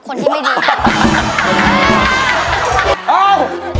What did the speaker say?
คนที่ไม่ดี